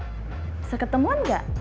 bisa ketemuan gak